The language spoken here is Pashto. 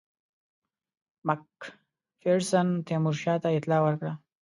مک فیرسن تیمورشاه ته اطلاع ورکړه.